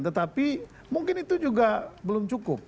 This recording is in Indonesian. tetapi mungkin itu juga belum cukup